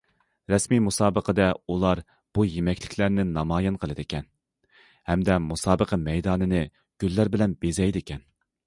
رەسمىي مۇسابىقىدە، ئۇلار بۇ يېمەكلىكلەرنى نامايان قىلىدىكەن، ھەمدە مۇسابىقە مەيدانىنى گۈللەر بىلەن بېزەيدىكەن.